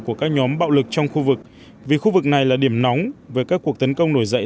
của các nhóm bạo lực trong khu vực vì khu vực này là điểm nóng về các cuộc tấn công nổi dậy